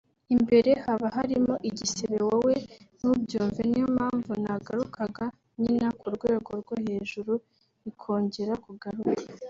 imbere haba harimo igisebe wowe ntubyumve niyo mpamvu nagarukaga nkina ku rwego rwo hejuru ikongera kugaruka